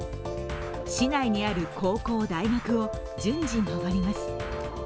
市内にある高校、大学を順次、回ります。